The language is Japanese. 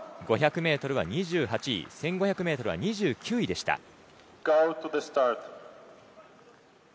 ５００ｍは２８位１５００ｍは２９位でした。